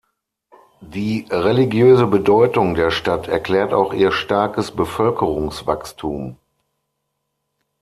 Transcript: Die religiöse Bedeutung der Stadt erklärt auch ihr starkes Bevölkerungswachstum.